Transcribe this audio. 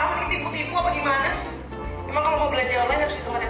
jadi yang lagi kayak gini kan